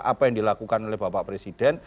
apa yang dilakukan oleh bapak presiden